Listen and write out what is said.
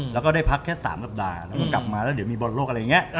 แล้วก็ได้พักแค่๓สัปดาห์แล้วก็กลับมาแล้วเดี๋ยวมีบอลโลกอะไรอย่างนี้